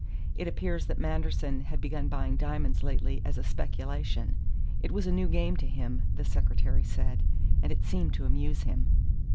It appears that Manderson had begun buying diamonds lately as a speculation it was a new game to him, the secretary said, and it seemed to amuse him."